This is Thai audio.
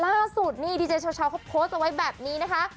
ล่าสุดนี่ดีเจเช้าเขาโพสต์เอาไว้แบบนี้นะคะ